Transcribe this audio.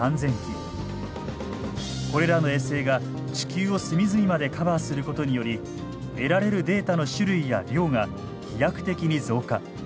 これらの衛星が地球を隅々までカバーすることにより得られるデータの種類や量が飛躍的に増加。